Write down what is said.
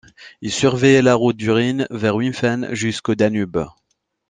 Il surveillait la route du Rhin vers Wimpfen jusqu'au Danube.